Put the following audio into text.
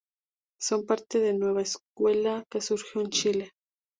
Son parte de Nueva Escuela que surgió en Chile.